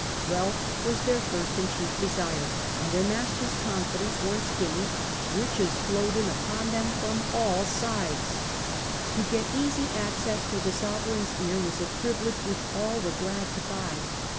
Wealth was their 86 The Earlier Empire. a . d . 41 54 first and chief desire, and, their master^s confidence once gained, riches flowed in upon them from all sides. To get easy access to the sovereign's ear was a privilege which all were glad to buy.